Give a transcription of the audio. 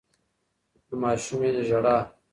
د ماشومې ژړا